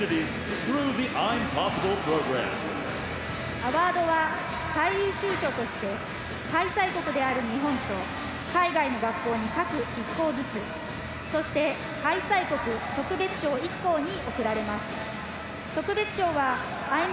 アワードは、最優秀賞として開催国である日本と海外の学校に各１校ずつそして、開催国特別賞１校に贈られます。